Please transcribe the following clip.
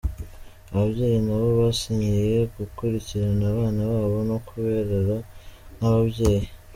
Ababyeyi nabo basinyiye gukurikirana abana babo no kubarera nk’ababyeyi.